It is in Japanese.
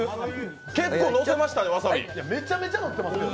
結構、のせましたね、わさび。